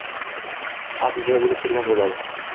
aslida o‘lib turgan bo‘ladi